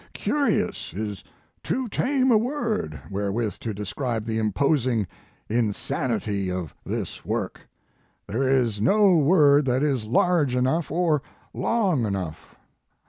Curious is too tame a word wherewith to describe the imposing insanity of this work. There is no word that is large enough or long enough.